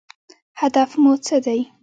هدف مو څه دی؟